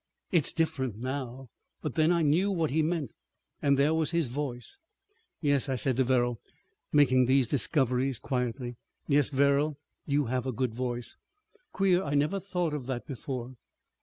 It's different now—but then I knew what he meant. And there was his voice." "Yes," I said to Verrall, making these discoveries quietly, "yes, Verrall, you have a good voice. Queer I never thought of that before!"